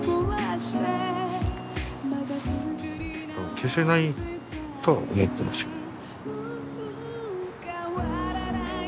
消せないとは思ってますけど。